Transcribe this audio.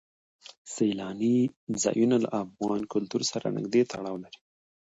سیلاني ځایونه له افغان کلتور سره نږدې تړاو لري.